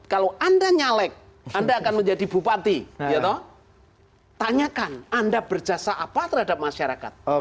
kalau anda nyalek anda akan menjadi bupati tanyakan anda berjasa apa terhadap masyarakat